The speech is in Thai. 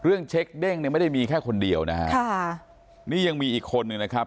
เรื่องเช็คเด้งเนี่ยไม่ได้มีแค่คนเดียวนะฮะค่ะนี่ยังมีอีกคนนึงนะครับ